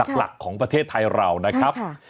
หลักของประเทศไทยเรานะครับ